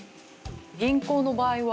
銀行の場合は？